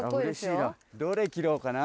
どれ切ろうかな。